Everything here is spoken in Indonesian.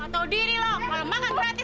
gak tau diri lo malah makan gratis